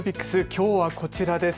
きょうはこちらです。